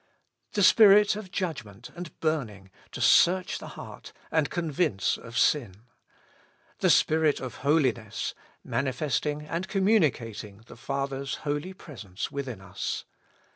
The Spirit of judgment and burning, to search the heart and convince of sin. The Spirit of holiness, manifesting and communicating the Father's holy presence within us.